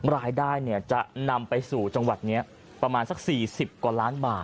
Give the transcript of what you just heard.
รายได้จะนำไปสู่จังหวัดนี้ประมาณสัก๔๐กว่าล้านบาท